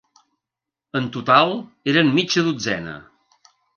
En total, eren mitja dotzena.